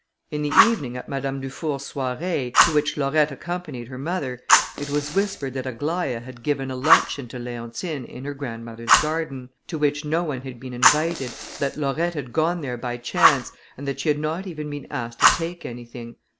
In the evening, at Madame Dufour's soirée, to which Laurette accompanied her mother, it was whispered that Aglaïa had given a luncheon to Leontine, in her grandmother's garden, to which no one had been invited; that Laurette had gone there by chance, and that she had not even been asked to take anything.